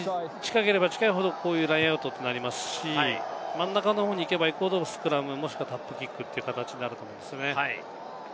タッチ、近ければ近いほどラインアウトになりますし、真ん中の方に行けば行くほどスクラム、もしくはキックという形になると思いますね。